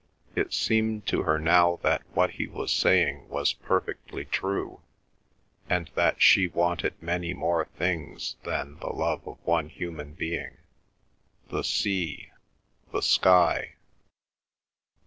It seemed to her now that what he was saying was perfectly true, and that she wanted many more things than the love of one human being—the sea, the sky.